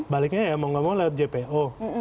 baliknya ya mau nggak mau lewat jpo